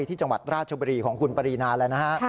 ที่จังหวัดราชบุรีของคุณปรีนาแล้วนะฮะ